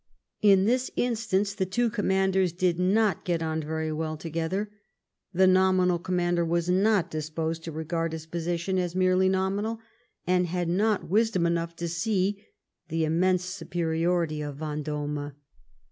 In this instance the two com manders did not get on very well together. The nomi nal commander was not disposed to regard his position as merely nominal, and had not wisdom enough to see the immense superiority of Vendome.